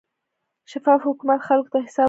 شفاف حکومت خلکو ته حساب ورکوي.